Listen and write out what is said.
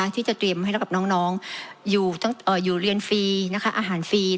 ที่จะเตรียมให้กับน้องอยู่เรียนฟรีอาหารฟรี